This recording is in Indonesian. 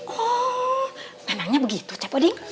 oh memangnya begitu cep oding